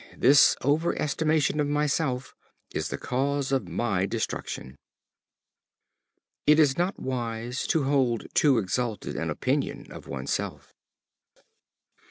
this over estimation of myself is the cause of my destruction." It is not wise, to hold too exalted an opinion of one's self.